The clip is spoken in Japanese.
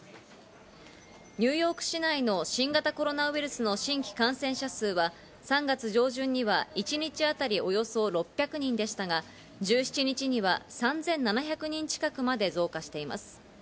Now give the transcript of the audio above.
ニューヨーク市内の新型コロナウイルスの新規感染者数は３月上旬には一日当たりおよそ６００人でしたが１７日には３７００人近くまで増加しています。